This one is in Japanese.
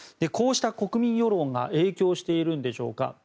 こうした国民世論が影響しているんでしょうか。